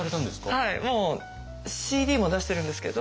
もうＣＤも出してるんですけど。